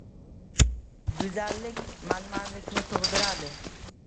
Go‘zallik manmanlikni tug‘diradi.